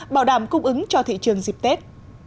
bảo đảm cung ứng cho thị trường dịp tết